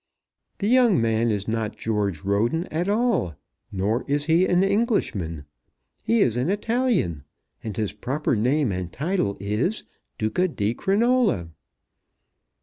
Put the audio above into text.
The young man is not George Roden at all, nor is he an Englishman. He is an Italian, and his proper name and title is Duca di Crinola.